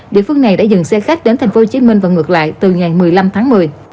địa phương này đã dừng xe khách đến thành phố hồ chí minh và ngược lại từ ngày một mươi năm tháng một mươi